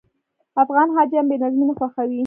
افغان حاجیان بې نظمي نه خوښوي.